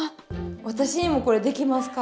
私にもこれできますか？